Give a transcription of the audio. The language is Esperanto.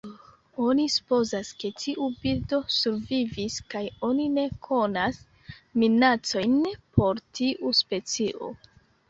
Oni supozas ke tiu birdo survivis kaj oni ne konas minacojn por tiu specio.